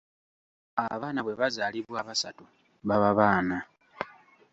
Abaana bwe bazaalibwa abasatu baba baana.